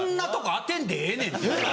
当てんでええねん！